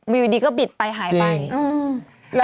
ทีมันบิดไปหายไป